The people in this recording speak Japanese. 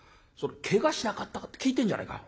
けがしなかったかって聞いてんじゃねえか。